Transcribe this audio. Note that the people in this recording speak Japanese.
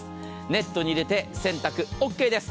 ネットに入れて洗濯ＯＫです。